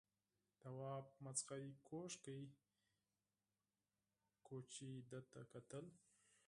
تواب ور مېږ کوږ کړ، کوچي ده ته کتل.